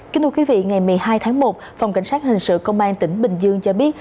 kính thưa quý vị ngày một mươi hai tháng một phòng cảnh sát hình sự công an tỉnh bình dương cho biết